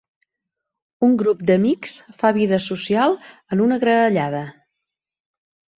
Un grup d'amics fa vida social en una graellada.